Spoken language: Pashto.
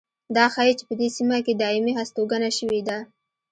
دا ښيي چې په دې سیمه کې دایمي هستوګنه شوې ده.